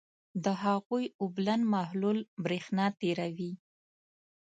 د هغوي اوبلن محلول برېښنا تیروي.